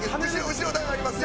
後ろ段ありますよ。